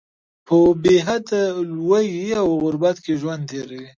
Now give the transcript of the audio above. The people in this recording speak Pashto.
په بې حده ولږې او غربت کې ژوند تیروي.